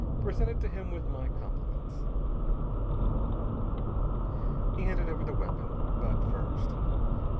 Present it to him with my compliments." He handed over the weapon, butt first.